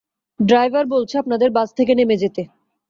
Driver বলছে আপনাদের bus থেকে নেমে যেতে।